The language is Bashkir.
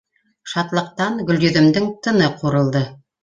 Шатлыҡтан Гөлйөҙөмдөң тыны ҡурылды.